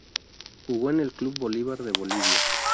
Jugó en el Club Bolivar de Bolivia.